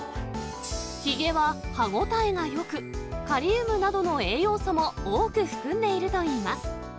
ひげは歯応えがよく、カリウムなどの栄養素も多く含んでいるといいます。